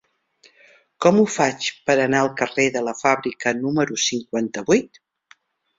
Com ho faig per anar al carrer de la Fàbrica número cinquanta-vuit?